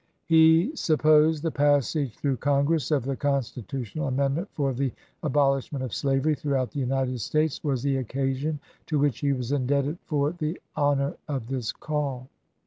He supposed the passage through Congress of the con stitutional amendment for the abolishment of slavery throughout the United States was the occasion to which he was indebted for the honor of this call.